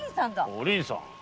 お凛さん。